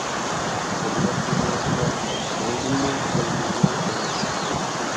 تەبىئەت دۇنياسىدا بۇنىڭدىنمۇ گۈزەل مەنزىرە بولماس.